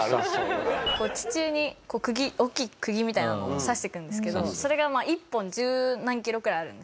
地中に大きい釘みたいなものを刺していくんですけどそれが一本十何キロくらいあるんですね。